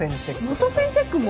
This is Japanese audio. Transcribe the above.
元栓チェックも？